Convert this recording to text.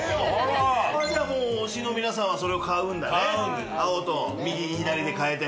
じゃあ推しの皆さんはそれを買うんだね。